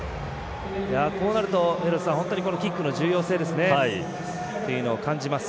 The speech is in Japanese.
こうなると本当にキックの重要性というのを感じます。